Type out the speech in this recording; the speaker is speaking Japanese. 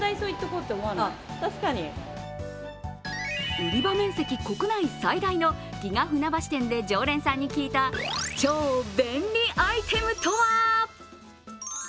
売り場面積国内最大のギガ船橋店で常連さんに聞いた超便利アイテムとは？